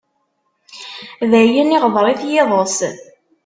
D ayen, iɣder-it yiḍes.